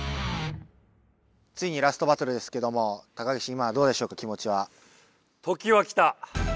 ついにラストバトルですけども高岸今はどうでしょうか気もちは？